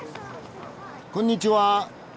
こんにちは。